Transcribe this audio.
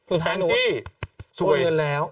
แองจี้โอ้ยเรียนแล้ว